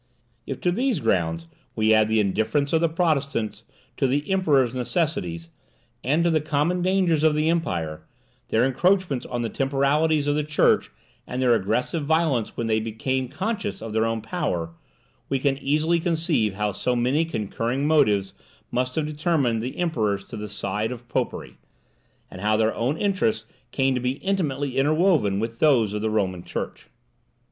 If to these grounds we add the indifference of the Protestants to the Emperor's necessities and to the common dangers of the empire, their encroachments on the temporalities of the church, and their aggressive violence when they became conscious of their own power, we can easily conceive how so many concurring motives must have determined the emperors to the side of popery, and how their own interests came to be intimately interwoven with those of the Roman Church.